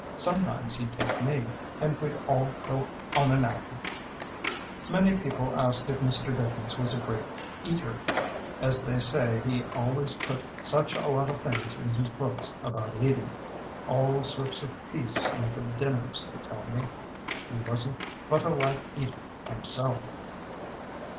Sometimes he'd take me, and we'd all go on an outing. "Many people ask if Mr. Dickens was a great eater, as they say he al ways put such a lot of things in his books about eating — all sorts of feasts and good dinners, they tell me. He wasn't but a light eater himself.".